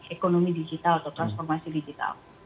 ekonomi digital atau transformasi digital